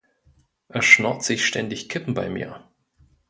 Er schnorrt sich ständig Kippen bei mir.